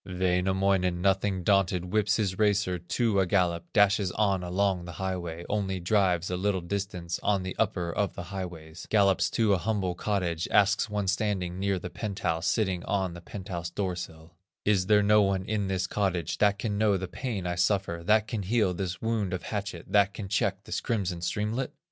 Wainamoinen, nothing daunted, Whips his racer to a gallop, Dashes on along the highway; Only drives a little distance, On the upper of the highways, Gallops to a humble cottage, Asks one standing near the penthouse, Sitting on the penthouse doorsill: "Is there no one in this cottage, That can know the pain I suffer, That can heal this wound of hatchet, That can check this crimson streamlet?"